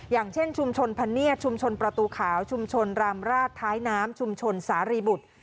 อย่างเช่นชุมชนพะเนียดชุมชนประตูขาวชุมชนรามราชท้ายน้ำชุมชนสารีบุตร